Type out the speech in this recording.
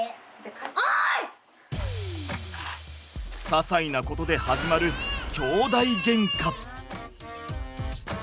ささいなことで始まるきょうだいゲンカ。